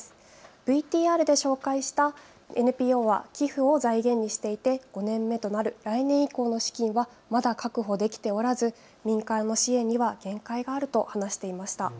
ＶＴＲで紹介したＮＰＯは寄付を財源にしていて５年目となる来年以降の資金はまだ確保できておらず民間の支援には限界があると話していました。